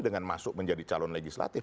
dengan masuk menjadi calon legislatif